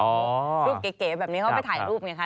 รูปเก๋แบบนี้เขาไปถ่ายรูปไงคะ